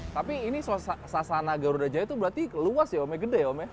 tapi ini sasana garuda jaya itu berarti luas ya omnya gede ya om ya